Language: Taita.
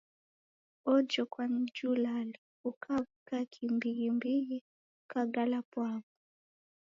Ojokwa ni julale, ukaw’uka kimbighimbighi, ukagala pwaw’o.